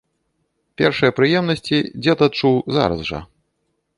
Першыя прыемнасці дзед адчуў зараз жа.